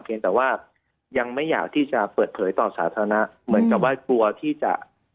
ยังแต่ว่ายังไม่อยากที่จะเปิดเผยต่อสาธารณะเหมือนกับว่ากลัวที่จะ